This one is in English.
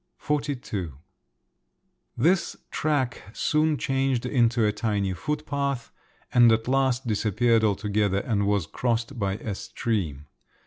XLII This track soon changed into a tiny footpath, and at last disappeared altogether, and was crossed by a stream.